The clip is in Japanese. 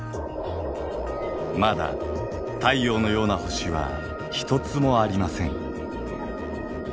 まだ太陽のような星は１つもありません。